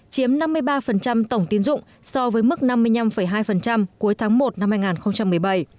chiếm năm mươi ba tổng tiến dụng so với mức năm mươi năm hai cuối tháng một năm hai nghìn một mươi bảy